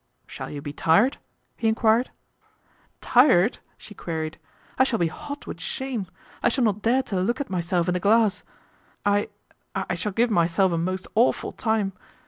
"Shall you be tired?" he enquired. "Tired!" she queried, "I shall be hot with shame. I shall not dare to look at myself in the glass. I I shall give myself a most awful time.